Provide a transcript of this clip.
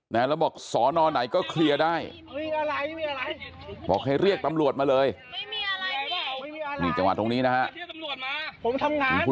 แล้วบอกสอนอไหนก็เคลียร์ได้บอกให้เรียกตำรวจมาเลยนี่จังหวะตรงนี้นะฮะ